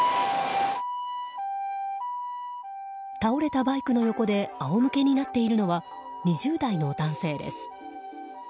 倒れたバイクの横で仰向けになっているのは２０代の男性です。